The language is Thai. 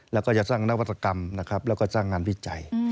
แล้วก็จะสร้างนวัตกรรมนะครับแล้วก็สร้างงานวิจัย